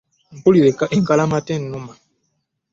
Mpulira enkalamata ennuma.